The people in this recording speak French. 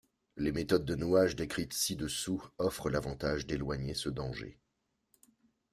Les méthodes de nouage décrites ci-dessous offrent l'avantage d'éloigner ce danger.